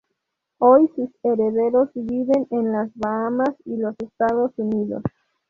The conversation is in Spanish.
Hoy sus herederos viven en las Bahamas y los Estados Unidos.